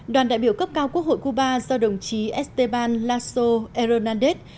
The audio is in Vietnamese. đoàn đại biểu cấp cao quốc hội cuba do đồng chí esteban lasso hernández